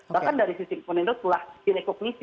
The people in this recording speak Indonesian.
bahkan dari sisi pun itu telah direkognisi